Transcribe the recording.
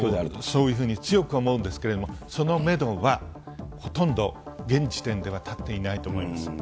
そういうふうに強く思うんですけれども、そのメドはほとんど現時点では立っていないと思います。